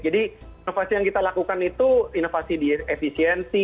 jadi inovasi yang kita lakukan itu inovasi di efisiensi